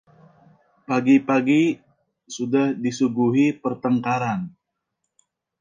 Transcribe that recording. Pagi-pagi sudah disuguhi pertengkaran.